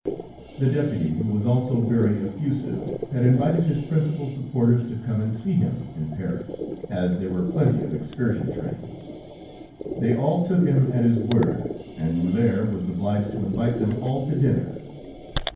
The deputy, who was also very effusive, had invited his principal supporters to come and see him in Paris as there were plenty of excursion trains. They all took him at his word, and Rulhière was obliged to invite them all to dinner.